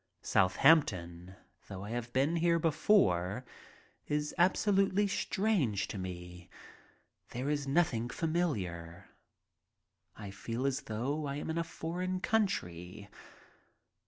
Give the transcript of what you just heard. Southampton, though I have been there before, is absolutely strange to me. There is nothing familiar. I feel as though I am in a foreign country.